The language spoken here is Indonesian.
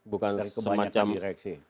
dari kebanyakan direksi